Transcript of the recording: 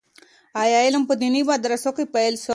آيا علم په ديني مدرسو کي پيل سو؟